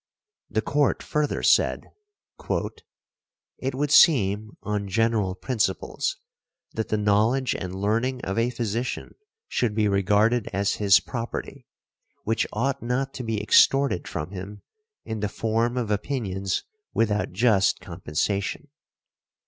The Court further said, "It would seem, on general principles, that the knowledge and learning of a physician should be regarded as his property, which ought not to be extorted from him in the form of opinions without just compensation."